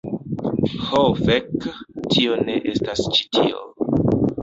Ho, fek', tio ne estas ĉi tio.